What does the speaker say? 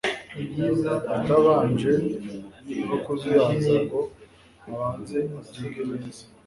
atabanje no kuzuyaza ngo abanze abyige neza